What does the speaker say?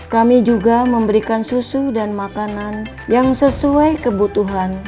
kami juga memberikan susu dan makanan yang sesuai kebutuhan